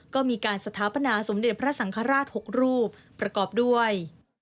ก็มีการสถาปนาสมเด็จพระสังฆราช๖รูปประกอบด้วย